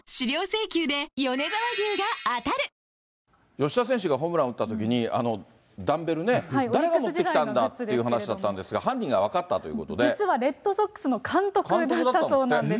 吉田選手がホームラン打ったときに、ダンベルね、誰が持ってきたんだっていう話だったんですが、犯人が分かったと実はレッドソックスの監督だったそうなんです。